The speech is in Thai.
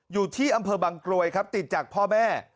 อยู่ที่อำเภอบังกรวยครับติดจากพ่อแม่